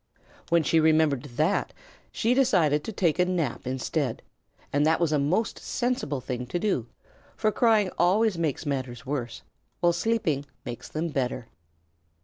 When she remembered that, she decided to take a nap instead, and that was a most sensible thing to do, for crying always makes matters worse, while sleeping makes them better.